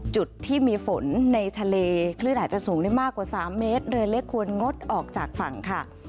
จุดที่มีฝนในทะเลคลื่นอาจจะสูงได้มากกว่า๓เมตรเรือเล็กควรงดออกจากฝั่งค่ะ